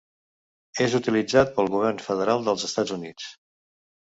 És utilitzat pel govern federal dels Estats Units.